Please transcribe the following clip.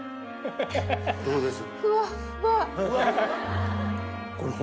どうです？